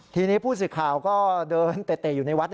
ทีนี้ผู้สื่อข่าวก็เดินเตะอยู่ในวัด